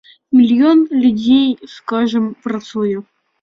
Мільён людзей, скажам, працуе.